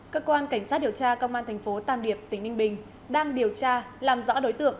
cơ quan cảnh sát điều tra công an tp tàm điệp tỉnh ninh bình đang điều tra làm rõ đối tượng